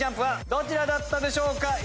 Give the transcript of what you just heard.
ＪＵＭＰはどちらだったでしょうか？